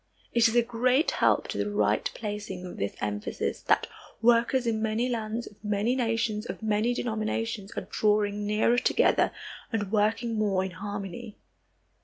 It is a great help to the right placing of this emphasis that workers in many lands, of many nations, of many denominations, are drawing nearer together and working more in harmony.